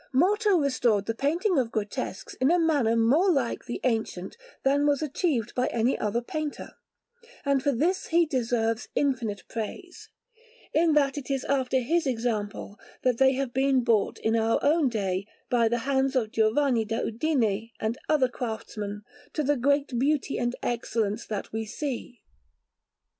Morto restored the painting of grotesques in a manner more like the ancient than was achieved by any other painter, and for this he deserves infinite praise, in that it is after his example that they have been brought in our own day, by the hands of Giovanni da Udine and other craftsmen, to the great beauty and excellence that we see.